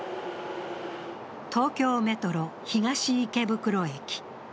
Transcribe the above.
東京メトロ・東池袋駅。